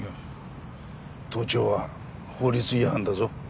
盗聴は法律違反だぞ。